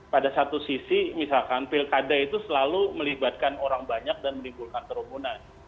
pada satu sisi misalkan pilkada itu selalu melibatkan orang banyak dan menimbulkan kerumunan